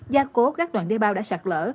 gia cố các đoàn đê bao đã sạt lở